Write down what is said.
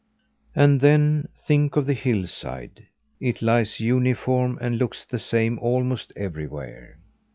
And then think of the hillside! It lies uniform, and looks the same almost everywhere.